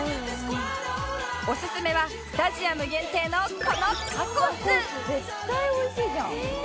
おすすめはスタジアム限定のこのタコス「絶対美味しいじゃん」